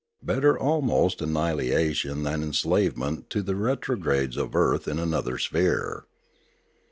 Better almost annihilation than enslavement to the retrogrades of earth in another sphere.